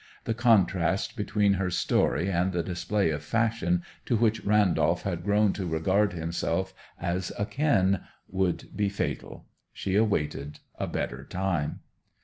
The contrast between her story and the display of fashion to which Randolph had grown to regard himself as akin would be fatal. She awaited a better time.